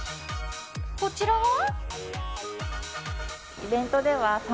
こちらは？